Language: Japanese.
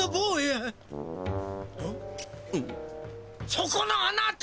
そこのあなた！